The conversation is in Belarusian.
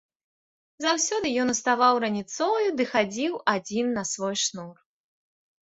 Заўсёды ён уставаў раніцою ды хадзіў адзін на свой шнур.